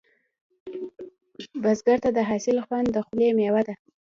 بزګر ته د حاصل خوند د خولې میوه ده